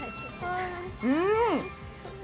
うん！